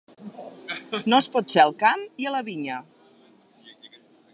No es pot ser al camp i a la vinya.